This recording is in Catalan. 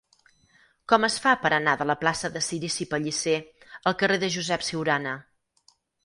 Com es fa per anar de la plaça de Cirici Pellicer al carrer de Josep Ciurana?